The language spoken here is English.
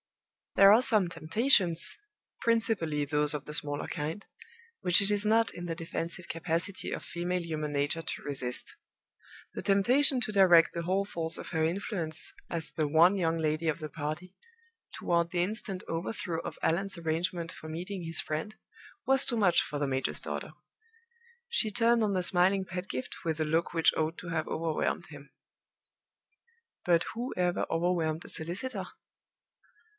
There are some temptations principally those of the smaller kind which it is not in the defensive capacity of female human nature to resist. The temptation to direct the whole force of her influence, as the one young lady of the party, toward the instant overthrow of Allan's arrangement for meeting his friend, was too much for the major's daughter. She turned on the smiling Pedgift with a look which ought to have overwhelmed him. But who ever overwhelmed a solicitor?